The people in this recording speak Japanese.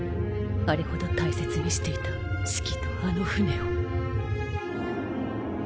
あれほど大切にしていたシキとあの船を。